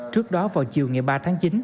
trước đó vào chiều ngày ba tháng chín